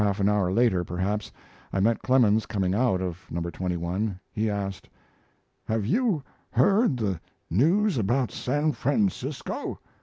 Half an hour later, perhaps, I met Clemens coming out of No. 21. He asked: "Have you heard the news about San Francisco?"